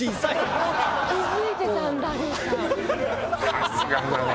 さすがだわ。